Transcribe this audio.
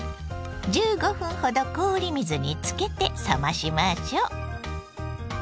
１５分ほど氷水につけて冷ましましょう。